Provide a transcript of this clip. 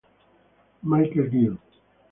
Michael Gill